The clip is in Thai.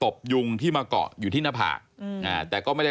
ตกลงไปจากรถไฟได้ยังไงสอบถามแล้วแต่ลูกชายก็ยังไง